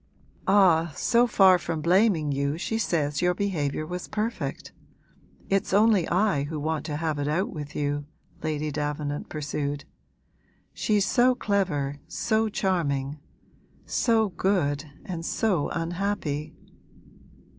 'Ah, so far from blaming you she says your behaviour was perfect. It's only I who want to have it out with you,' Lady Davenant pursued. 'She's so clever, so charming, so good and so unhappy.'